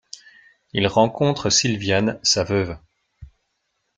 Il rencontre Sylviane, sa veuve.